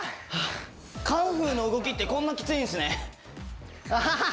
カンフーの動きってこんなきついんすねあははは！